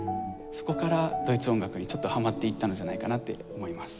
そこからドイツ音楽にちょっとはまっていったのじゃないかなって思います。